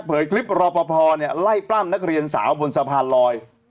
คลิปรอปภไล่ปล้ำนักเรียนสาวบนสะพานลอย